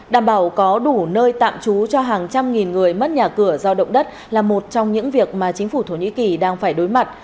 đảm bảo có đủ nơi tạm trú cho hàng trăm nghìn người mất nhà cửa do động đất là một trong những việc mà chính phủ thổ nhĩ kỳ đang phải đối mặt